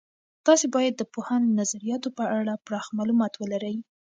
تاسې باید د پوهاند نظریاتو په اړه پراخ معلومات ولرئ.